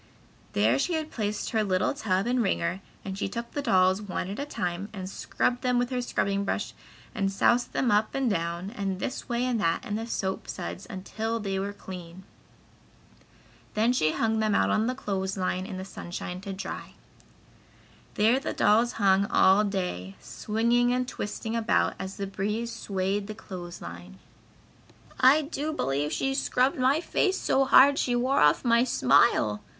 There she had placed her little tub and wringer and she took the dolls one at a time, and scrubbed them with a scrubbing brush and soused them up and down and this way and that in the soap suds until they were clean. Then she hung them all out on the clothes line in the sunshine to dry. There the dolls hung all day, swinging and twisting about as the breeze swayed the clothes line. "I do believe she scrubbed my face so hard she wore off my smile!"